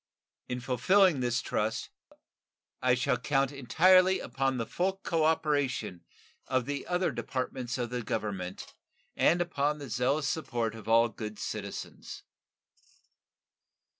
In fulfilling this trust I shall count entirely upon the full cooperation of the other departments of the Government and upon the zealous support of all good citizens.